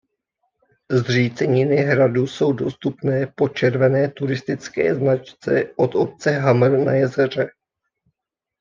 Zříceniny hradu jsou dostupné po červené turistické značce od obce Hamr na Jezeře.